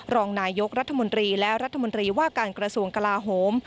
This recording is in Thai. รองกราศนระจมนตรีและรัศตรีว่ากรกรสวงศ์กลาฮม